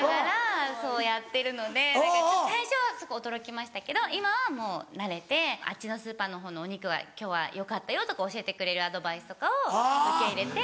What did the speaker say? そうやってるので最初はすごい驚きましたけど今はもう慣れて「あっちのスーパーのほうのお肉は今日はよかったよ」とか教えてくれるアドバイスとかを受け入れて。